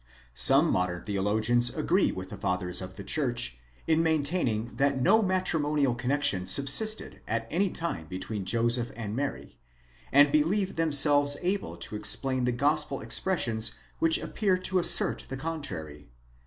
? Some modern theologians agree with the Fathers of the Church in maintain ing that no matrimonial connexion subsisted at any time between Joseph and Mary, and believe themselves able to explain the gospel expressions which ippear to assert the contrary.